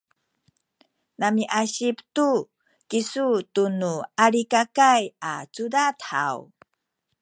namiasip tu kisu tunu Alikakay a cudad haw?